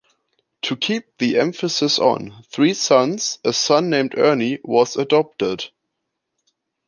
To keep the emphasis on "three sons", a new son named Ernie was adopted.